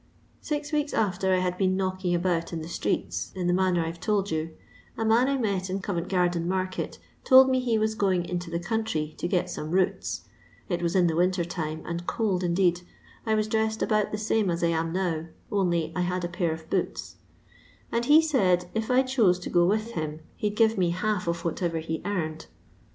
"Six weeks after I had been knocking about in the streets in the manner I 've told you, a man I met in Govent Garden market told me he was going into the country to get some roots (h was in the winter time and cold indeed; I was dressed about the same as I am now, only I had a pair of boots) ; and he said if I chose to go with him, he 'd give me half of whatever he earned.